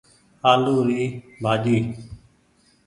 آلو ري ڀآڃي۔